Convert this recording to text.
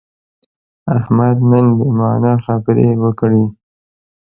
احمد نن بې معنا خبرې وکړې.